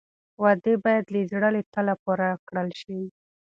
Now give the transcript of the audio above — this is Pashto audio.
وعدې باید د زړه له تله پوره کړل شي.